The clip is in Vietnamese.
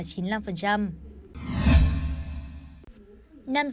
nam giới là nạn nhân